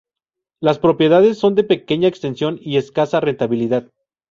Las propiedades son de pequeña extensión y escasa rentabilidad.